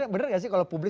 benar gak sih kalau publik